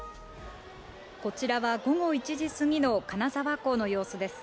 こちらは、午後１時過ぎの金沢港の様子です。